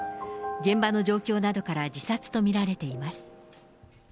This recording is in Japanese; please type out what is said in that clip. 現場の状況などから自殺と見られています。